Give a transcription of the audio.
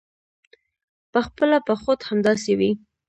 پخپله به خود همداسې وي.